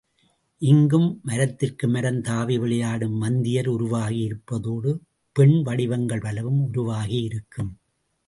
இங்கும் மரத்திற்கு மரம் தாவி விளையாடும் மந்தியர் உருவாகி இருப்பதோடு, பெண் வடிவங்கள் பலவும் உருவாகி இருக்கும்.